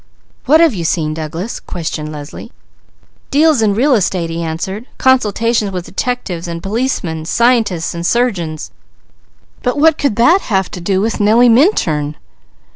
"What have you seen, Douglas?" questioned Leslie. "Deals in real estate," he answered. "Consultations with detectives and policemen, scientists and surgeons." "But what could that have to do with Nellie Minturn?"